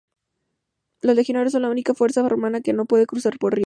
Los legionarios son la única fuerza romana que no puede cruzar por ríos.